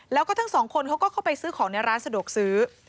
แล้วก็ทั้งสองคนเขาก็เข้าไปซื้อของในร้านสะดวกซื้อ